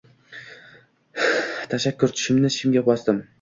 Tashakkur, tishimni tishimga bosdim